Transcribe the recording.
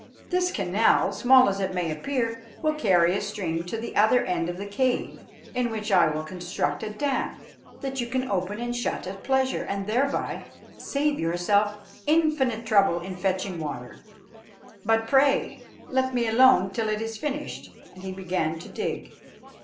This canal, small as it may appear, will carry a stream to the other end of the cave, in which I will construct a dam that you can open and shut at pleasure, and thereby save yourself infinite trouble in fetching water. But pray let me alone till it is finished," and he began to dig.